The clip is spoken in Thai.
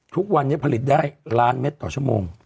ทุกวันนี้ผลิตได้ล้านเม็ดต่อชั่วโมง